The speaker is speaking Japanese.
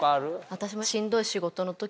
私も。